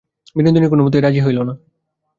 বিনোদিনী কোনোমতেই রাজি হইল না।